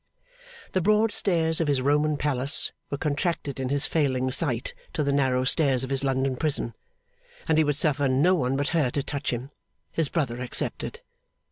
The broad stairs of his Roman palace were contracted in his failing sight to the narrow stairs of his London prison; and he would suffer no one but her to touch him, his brother excepted.